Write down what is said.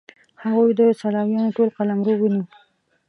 هغوی د سلاویانو ټول قلمرو ونیو.